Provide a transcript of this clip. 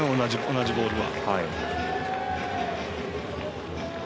同じボールは。